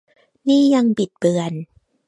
นี่ยัง "บิดเบือน"